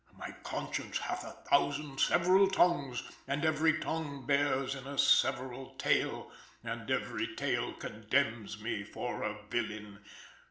My conscience hath a thousand several tongues, And every tongue brings in a several tale. And every tale condemns me for a villain!